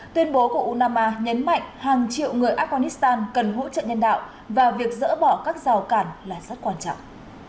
tuyên bố của unama nhấn mạnh hàng triệu người afghanistan cần hỗ trợ nhân đạo và việc dỡ bỏ các rào cản là rất quan trọng